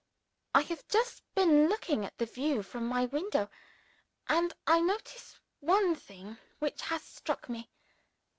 I have just been looking at the view from my window and I notice one thing which has struck me.